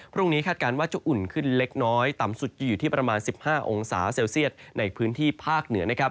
คาดการณ์ว่าจะอุ่นขึ้นเล็กน้อยต่ำสุดจะอยู่ที่ประมาณ๑๕องศาเซลเซียตในพื้นที่ภาคเหนือนะครับ